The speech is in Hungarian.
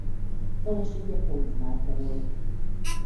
Felesége Koncz Márta volt.